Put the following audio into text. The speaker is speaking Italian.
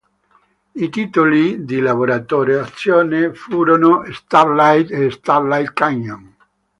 I titoli di lavorazione furono "Starlight" e "Starlight Canyon".